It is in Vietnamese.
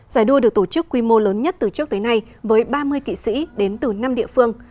giải đua được tổ chức quy mô lớn nhất từ trước tới nay với ba mươi kỵ sĩ đến từ năm địa phương